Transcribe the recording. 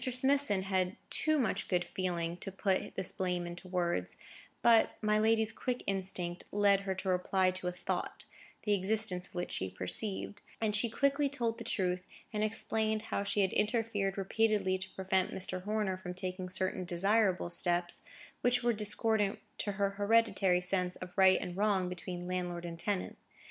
Smithson had too much good feeling to put this blame into words; but my lady's quick instinct led her to reply to a thought, the existence of which she perceived; and she quietly told the truth, and explained how she had interfered repeatedly to prevent Mr. Horner from taking certain desirable steps, which were discordant to her hereditary sense of right and wrong between landlord and tenant.